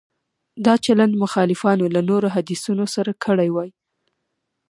دا چلند مخالفانو له نورو حدیثونو سره کړی وای.